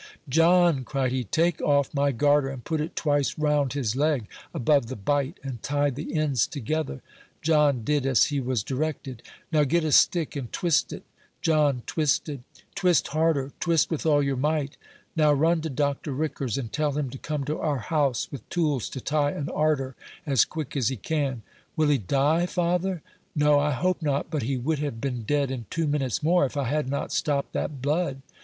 "John," cried he, "take off my garter and put it twice round his leg, above the bite, and tie the ends together." John did as he was directed. "Now get a stick and twist it." John twisted. "Twist harder; twist with all your might. Now run to Dr. Ricker's, and tell him to come to our house with tools to tie an arter, as quick as he can." "Will he die, father?" "No; I hope not; but he would have been dead in two minutes more, if I had not stopped that blood."